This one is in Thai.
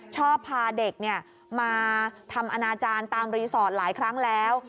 ชอบพาเด็กมาทำอนาจารย์ตามรีสอร์ทหลายครั้งแล้ว